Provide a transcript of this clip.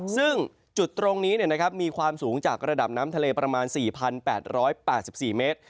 ซึ่งจุดตรงนี้มีความสูงจากระดับน้ำทะเลประมาณ๔๘๘๔เมตร